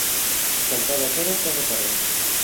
Quen todo quere todo perde.